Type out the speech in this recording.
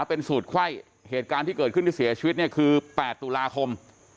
เป็นสูตรไข้เหตุการณ์ที่เกิดขึ้นที่เสียชีวิตเนี่ยคือ๘ตุลาคม